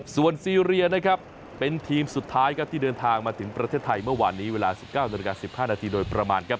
ส่วนซีเรียนะครับเป็นทีมสุดท้ายครับที่เดินทางมาถึงประเทศไทยเมื่อวานนี้เวลา๑๙นาฬิกา๑๕นาทีโดยประมาณครับ